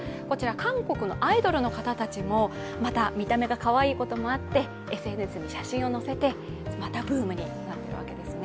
韓国のアイドルの方たちも見た目がかわいいこともあってＳＮＳに写真を載せてまたブームになっているわけですね。